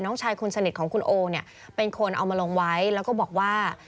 น้องชายคุณสนิทของคุณโอเป็นคนเอามาลงไว้แล้วก็บอกว่า